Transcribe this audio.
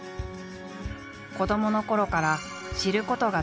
子どものころから知ることが大好き。